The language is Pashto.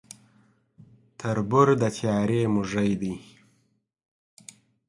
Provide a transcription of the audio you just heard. تر بور د تيارې موږى دى.